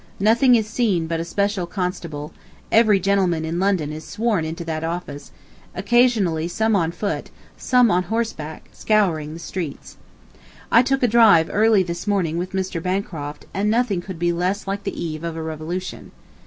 Nothing is to be seen but a "special constable" (every gentleman in London is sworn into that office), occasionally some on foot, some on horseback, scouring the streets. I took a drive early this morning with Mr. Bancroft, and nothing could be less like the eve of a revolution.